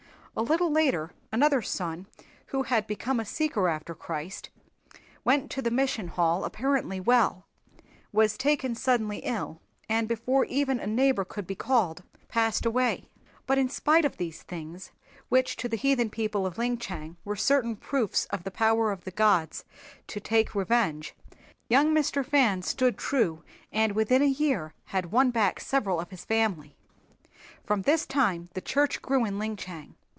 A little later another son who had become a seeker after Christ went to the Mission Hall apparently well was taken suddenly ill and before even a neighbor could be called passed away. But in spite of these things, which to the heathen people of Linchang were certain proofs of the power of the gods to take revenge, young Mr. Fan stood true and within a year had won back several of his family. From this time the church grew in Linchang.